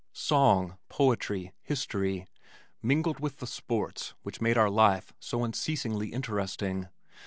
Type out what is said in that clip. Song, poetry, history mingled with the sports which made our life so unceasingly interesting.